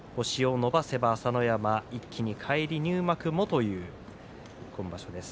星を伸ばせば朝乃山、一気に返り入幕もという今場所です。